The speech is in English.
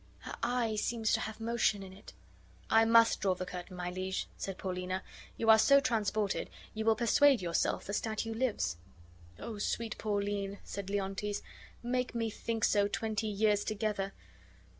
Her eye seems to have motion in it." "I must draw the curtain, my liege," said Paulina. "You are so transported, you will persuade yourself the statue lives." "Oh, sweet Pauline," said Leontes, "make me think so twenty years together!